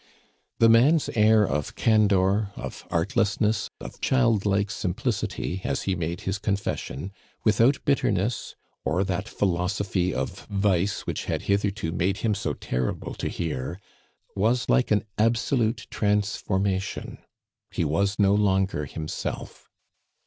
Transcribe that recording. The man's air of candor, of artlessness, of childlike simplicity, as he made his confession, without bitterness, or that philosophy of vice which had hitherto made him so terrible to hear, was like an absolute transformation. He was no longer himself.